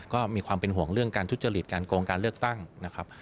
ก็มีความเป็นห่วงเรื่องการทุจริตการโกงการเลือกตั้งนะครับ